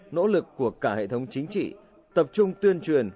nỗ lực của cả hệ thống chính trị tập trung tuyên truyền